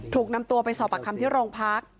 ถูกนำตัวไปสอบปากคำที่โรงพัก